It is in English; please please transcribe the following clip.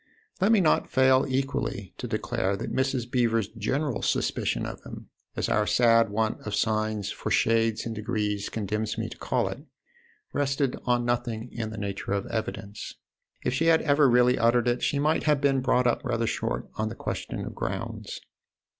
Let me not fail equally to declare that Mrs. Beever's general suspicion of him, as our sad want of signs for shades and degrees condemns me to call it, rested on nothing in the nature of evidence. If she had ever really uttered it she might have been brought up rather short on the question of grounds.